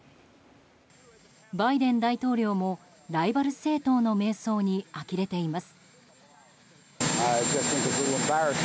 バイデン大統領もライバル政党の迷走に呆れています。